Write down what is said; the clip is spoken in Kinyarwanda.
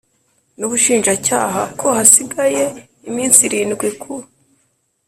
n Ubushinjacyaha ko hasigaye iminsi irindwi ku